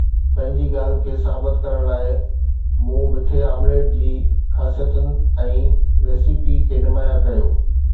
پنهنجي ڳالهه کي ثابت ڪرڻ لاءِ مون مٺي آمليٽ جي خاصيتن ۽ ريسيپي کي نمايان ڪيو